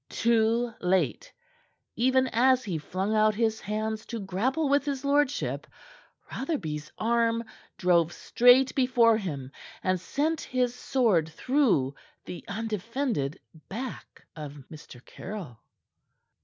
Too late. Even as he flung out his hands to grapple with his lordship, Rotherby's arm drove straight before him and sent his sword through the undefended back of Mr. Caryll.